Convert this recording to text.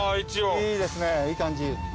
いいですねいい感じ。